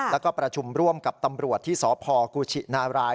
แล้วก็ประชุมร่วมกับตำรวจที่สพกุชินาราย